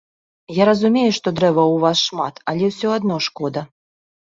Я разумею, што дрэваў у вас шмат, але ўсё адно шкода.